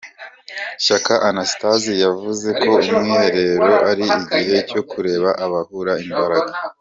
Shyaka Anastase yavuze ko umwiherero ari igihe cyo kureba ahabura imbaraga.